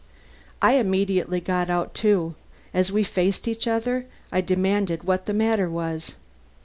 "I immediately got out too. As we faced each other, I demanded what the matter was.